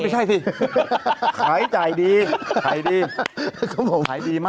ไม่ใช่สิขายจ่ายดี